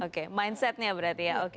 oke mindsetnya berarti ya